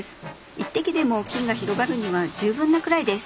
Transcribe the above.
１滴でも菌が広がるには十分なくらいです。